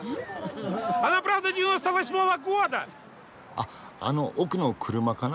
あっあの奥の車かな？